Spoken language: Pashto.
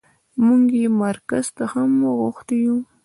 موږ يې مرکز ته هم غوښتي يو.